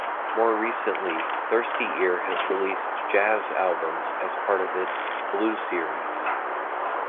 More recently, Thirsty Ear has released jazz albums as part of its "Blue Series".